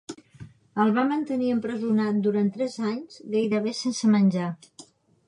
El va mantenir empresonat durant tres anys gairebé sense menjar.